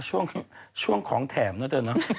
ช่วงช่วงของแถมน่ะเดี๋ยวน่ะ